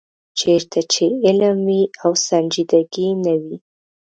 چېرته چې علم وي او سنجیدګي نه وي.